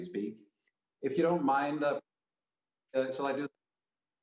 apakah saya harus